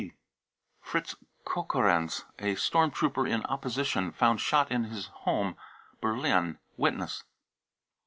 ( WTB .) fritz kokorenz, a storm trooper in opposition, found shot in his home, Berlin. (Witness.)